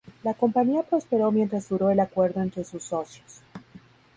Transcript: La compañía prosperó mientras duró el acuerdo entre sus socios.